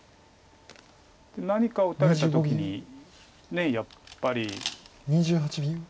何かを打たれた時にやっぱり。